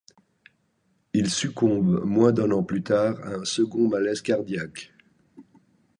Il succombe moins d'un an plus tard à un second malaise cardiaque.